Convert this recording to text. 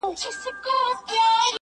دا پېښه د ټولنې پر ذهن ژور اثر پرېږدي,